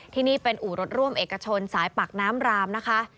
ที่นี่เป็นอู่รถร่วมเอกชนสายปากน้ำรามนะคะ